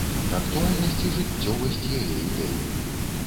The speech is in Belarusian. Актуальнасць і жыццёвасць яе ідэй.